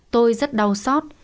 tôi rất đau xót